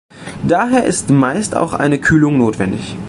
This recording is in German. Daher ist meist auch eine Kühlung notwendig.